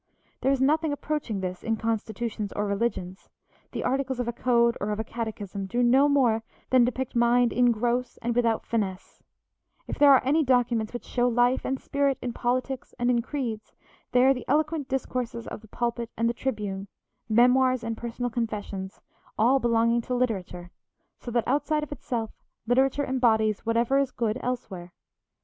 There is nothing approaching this in constitutions or religions; the articles of a code or of a catechism do no more than depict mind in gross and without finesse; if there are any documents which show life and spirit in politics and in creeds, they are the eloquent discourses of the pulpit and the tribune, memoirs and personal confessions, all belonging to literature, so that, outside of itself, literature embodies whatever is good elsewhere.